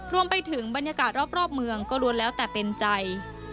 รวมไปถึงบรรยากาศรอบเมืองก็ล้วนแล้วแต่เป็นใจ